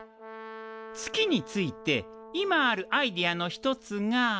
月について今あるアイデアの一つが。